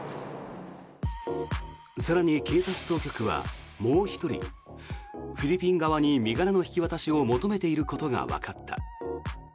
更に警察当局はもう１人フィリピン側に身柄の引き渡しを求めていることがわかった。